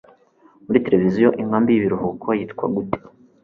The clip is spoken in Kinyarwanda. Muri televiziyo inkambi y'ibiruhuko yitwa gute?